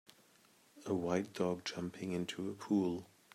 a white dog jumping into a pool.